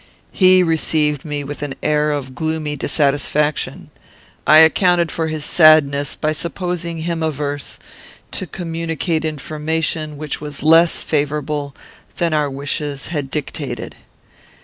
"He received me with an air of gloomy dissatisfaction. I accounted for his sadness by supposing him averse to communicate information which was less favourable than our wishes had dictated.